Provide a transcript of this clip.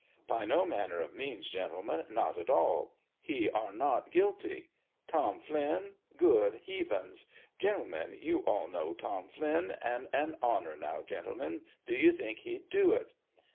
By no manner of means, gentlemen, not at all! He are not guilty ! TOM FLINN ? Good heavings ! Gentle men, you all know Tom Flinn, and, on honour, now, gentlemen, do you think he'd do it